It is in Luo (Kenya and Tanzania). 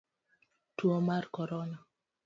Tuo mar korona